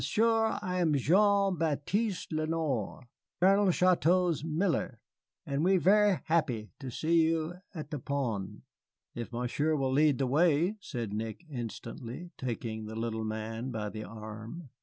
Monsieur, I am Jean Baptiste Lenoir, Colonel Chouteau's miller, and we ver' happy to see you at the pon'." "If Monsieur will lead the way," said Nick, instantly, taking the little man by the arm.